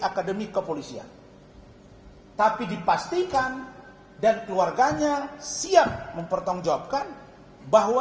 akademi kepolisian tapi dipastikan dan keluarganya siap mempertanggungjawabkan bahwa